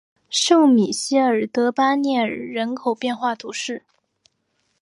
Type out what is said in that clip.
圣米歇尔德巴涅尔人口变化图示